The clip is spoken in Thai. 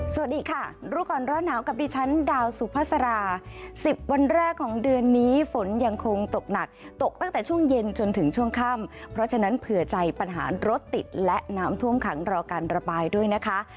สวัสดีค่ะรู้ก่อนร้อนหนาวกับดิฉันดาวสุภาษา๑๐วันแรกของเดือนนี้ฝนยังคงตกหนักตกตั้งแต่ช่วงเย็นจนถึงช่วงค่ำเพราะฉะนั้นเผื่อใจปัญหารถติดและน้ำท่วมขังรอการระบายด้วยนะคะ